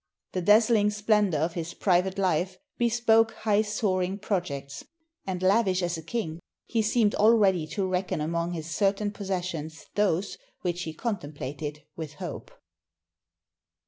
The dazzling splen dor of his private Hfe bespoke high soaring projects; and, lavish as a king, he seemed already to reckon among his certain possessions those which he contemplated with hope.